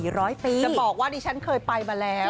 จะบอกว่าดิฉันเคยไปมาแล้ว